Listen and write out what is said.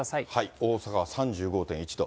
大阪は３５．１度。